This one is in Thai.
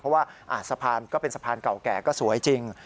เพราะว่าสะพานก็เป็นสะพานเก่าแก่ก็สวยจริง